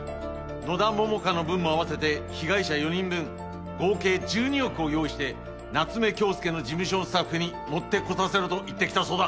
野田桃花の分も合わせて被害者４人分合計１２億を用意して夏目恭輔の事務所のスタッフに持ってこさせろと言ってきたそうだ。